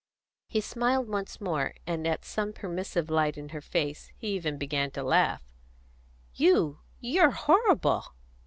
He smiled once more, and at some permissive light in her face, he began even to laugh. "You you're horrible!"